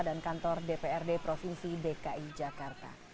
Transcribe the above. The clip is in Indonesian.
dan kantor dprd provinsi dki jakarta